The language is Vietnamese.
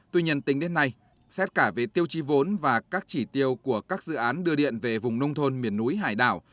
tuy nhiên tính đến nay xét cả về tiêu chi vốn và các chỉ tiêu của các dự án đưa điện về vùng nông thôn miền núi hải đảo